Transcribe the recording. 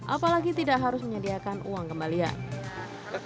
apalagi tidak harus menyediakan uang kembalian